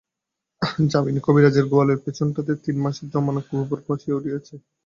যামিনী কবিরাজের গোয়ালের পিছনটাতে তিন মাসের জমানো গোবর পচিয়া উঠিয়াছে।